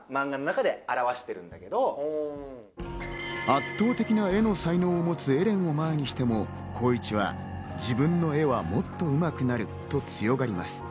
圧倒的な絵の才能を持つエレンを前にしても、光一は自分の絵はもっとうまくなると強がります。